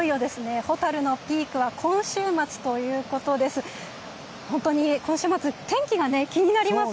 いよいよですね蛍のピークは今週末ということです。